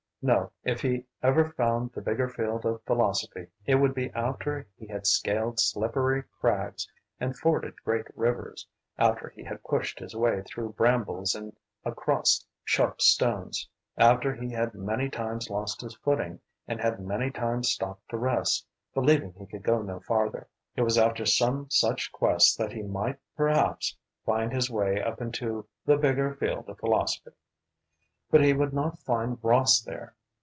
No, if he ever found the bigger field of philosophy, it would be after he had scaled slippery crags and forded great rivers, after he had pushed his way through brambles and across sharp stones, after he had many times lost his footing, and had many times stopped to rest, believing he could go no farther. It was after some such quest that he might perhaps find his way up into the bigger field of philosophy. But he would not find Ross there.